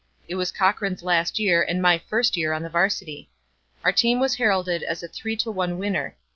It was Cochran's last year and my first year on the Varsity. Our team was heralded as a three to one winner.